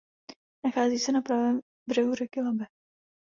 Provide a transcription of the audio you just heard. Nachází se na pravém břehu řeky Labe.